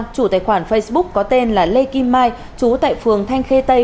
chủ tài khoản facebook có tên là lê kim mai chú tại phường thanh khê tây